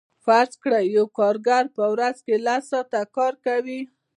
فرض کړئ یو کارګر په ورځ کې لس ساعته کار کوي